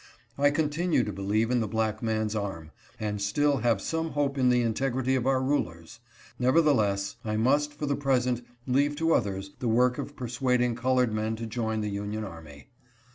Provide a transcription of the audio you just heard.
I continue to believe in the black man's arm, and still have some hope in the integrity of our rulers. Nevertheless, I must for the present leave to others the work of per EQUALITY AMONG SOLDIERS. 419 suading colored men to join the Union army.